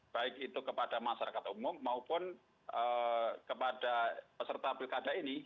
baik itu kepada masyarakat umum maupun kepada peserta pilkada ini